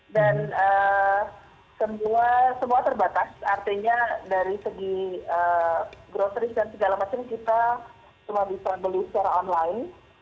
dan semua terbatas artinya dari segi groceries dan segala macam kita cuma bisa beli secara online